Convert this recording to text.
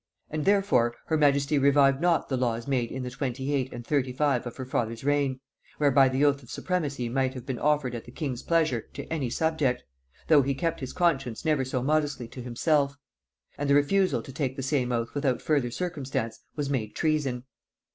And therefore her majesty revived not the laws made in the 28 and 35 of her father's reign, whereby the oath of supremacy might have been offered at the king's pleasure to any subject, though he kept his conscience never so modestly to himself; and the refusal to take the same oath without further circumstance was made treason.